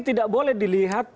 tidak boleh dilihat